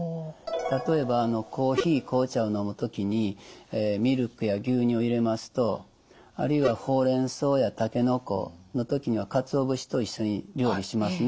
例えばコーヒー紅茶を飲む時にミルクや牛乳を入れますとあるいはほうれんそうやたけのこの時にはかつお節と一緒に料理しますね。